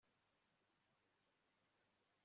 Gari ya moshi yawe izagera i Kyoto ryari